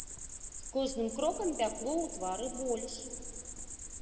З кожным крокам пякло ў твары больш.